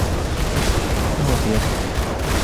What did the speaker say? ما هو قياسك ؟